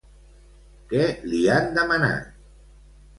Què li han demanat?